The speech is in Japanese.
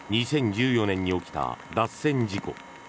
２０１４年に起きた脱線事故。